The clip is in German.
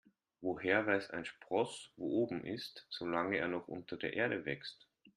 Woher weiß ein Spross, wo oben ist, solange er noch unter der Erde wächst?